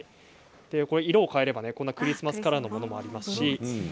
色を変えればクリスマスカラーのものもありますし。